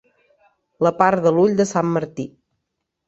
La part de l'ull de sant Martí.